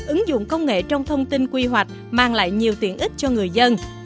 ứng dụng công nghệ trong thông tin quy hoạch mang lại nhiều tiện ích cho người dân